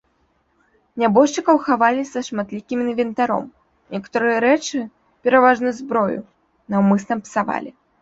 Нябожчыкаў хавалі са шматлікім інвентаром, некаторыя рэчы, пераважна зброю, наўмысна псавалі.